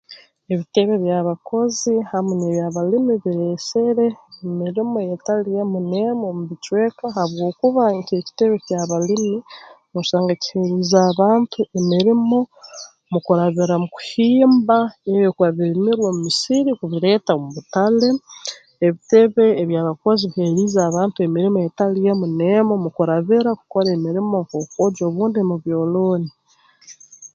Ebitebe by'abakozi hamu n'ebyabalimi bireesere emirimo eyeetali emu n'emu omu bicweka habwokuba nk'ekitebe ky'abalimi noosanga kiheeriize abantu emirimo mu kurabira mu kuhimba ebyo ebikuba birimirwe mu musiri kubireeta mu butale ebitebe eby'abakozi biheerize abantu emirimo etali emu n'emu mu kurabira kukora emirimo nk'okwogya obundi mu byolooni